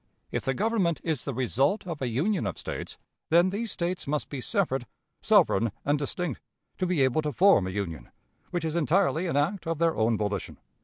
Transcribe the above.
If the Government is the result of a union of States, then these States must be separate, sovereign, and distinct, to be able to form a union, which is entirely an act of their own volition.